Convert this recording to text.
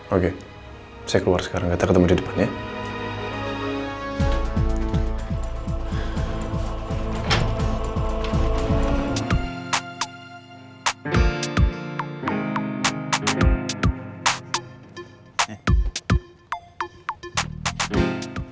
oke saya keluar sekarang kita ketemu di depannya ya